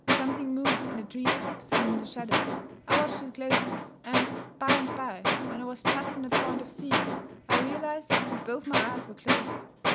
Something moved in the treetops and in the shadows. I watched it closely; and, by and by, when I was just on the point of seeing it, I realized that both my eyes were closed.